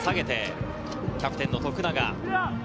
キャプテンの徳永。